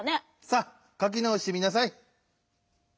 さあかきなおしてみなさい。